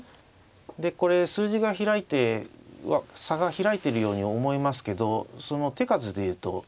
でこれ数字が開いて差が開いてるように思いますけど手数で言うと一手なんですね。